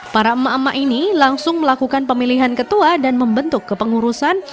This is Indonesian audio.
para emak emak ini langsung melakukan pemilihan ketua dan membentuk kepengurusan